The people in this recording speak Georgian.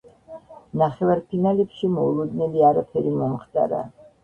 ნახევარფინალებში მოულოდნელი არაფერი მომხდარა.